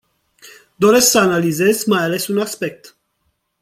Doresc să analizez mai ales un aspect.